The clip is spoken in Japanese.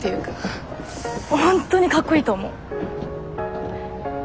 本当にかっこいいと思う。